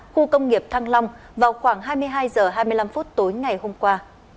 khu công nghiệp thăng long vào khoảng hai mươi hai h hai mươi năm tối ngày hôm qua